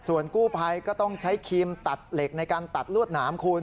ส่วนกู้ภัยก็ต้องใช้ครีมตัดเหล็กในการตัดลวดหนามคุณ